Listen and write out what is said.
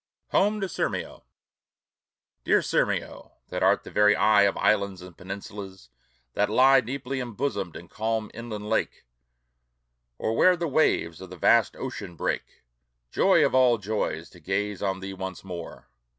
HOME TO SIRMIO Dear Sirmio, that art the very eye Of islands and peninsulas, that lie Deeply embosomed in calm inland lake, Or where the waves of the vast ocean break; Joy of all joys, to gaze on thee once more!